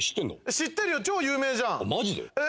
知ってるよ超有名じゃんええ